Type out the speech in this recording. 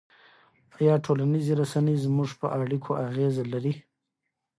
آیا ټولنیزې رسنۍ زموږ په اړیکو اغېز لري؟